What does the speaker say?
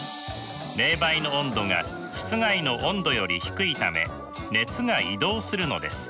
冷媒の温度が室外の温度より低いため熱が移動するのです。